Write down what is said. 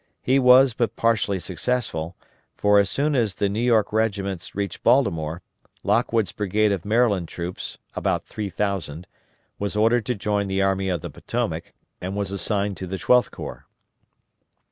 He was but partially successful, for as soon as the New York regiments reached Baltimore, Lockwood's brigade of Maryland troops, about three thousand, was ordered to join the Army of the Potomac, and was assigned to the Twelfth Corps.